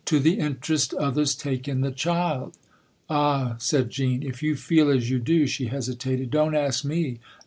" To the interest others take in the child ? Ah," said Jean, "if you feel as you do" she hesitated " don't ask me.